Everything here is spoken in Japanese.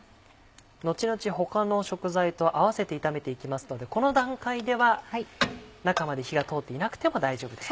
後々他の食材と合わせて炒めていきますのでこの段階では中まで火が通っていなくても大丈夫です。